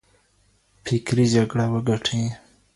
فکري جګړه وګټئ.